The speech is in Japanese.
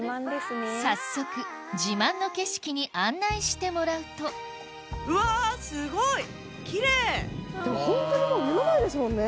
早速自慢の景色に案内してもらうとホントにもう目の前ですもんね！